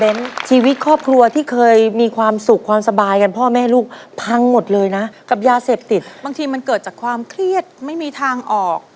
ชีวิตครอบครัวที่เคยมีความสุขความสบายกันพ่อแม่ลูกพังหมดเลยนะกับยาเสพติดบางทีมันเกิดจากความเครียดไม่มีทางออก